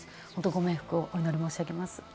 ご冥福をお祈り申し上げます。